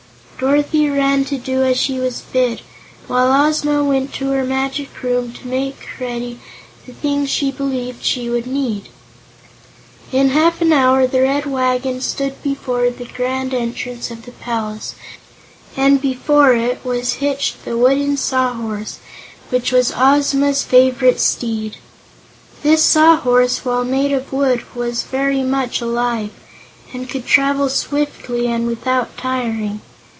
Dorothy ran to do as she was bid, while Ozma went to her Magic Room to make ready the things she believed she would need. In half an hour the Red Wagon stood before the grand entrance of the palace, and before it was hitched the Wooden Sawhorse, which was Ozma's favorite steed. This Sawhorse, while made of wood, was very much alive and could travel swiftly and without tiring.